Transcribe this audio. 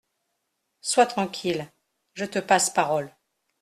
Sois tranquille, je te passe parole.